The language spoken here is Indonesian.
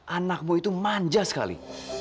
anakmu itu manja sekali